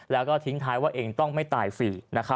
แล้วก็ทิ้งท้ายว่าเองต้องไม่ตายฟรี